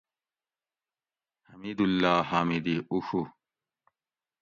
حمیداللّہ حامدی اوڛو